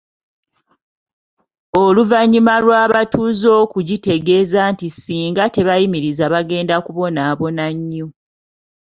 Oluvannyuma lw’abatuuze okugitegeeza nti singa teyimiriza bagenda kubonaabona nnyo.